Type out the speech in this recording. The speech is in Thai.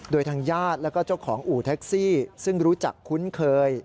โดยทางญาติแล้วก็เจ้าของอู่แท็กซี่ซึ่งรู้จักคุ้นเคย